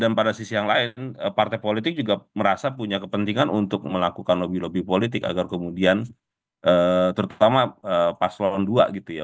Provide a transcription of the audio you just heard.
karena pada sisi yang lain partai politik juga merasa punya kepentingan untuk melakukan lobby lobby politik agar kemudian terutama pas lon dua gitu ya